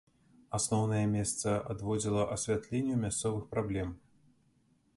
Асноўнае месца адводзіла асвятленню мясцовых праблем.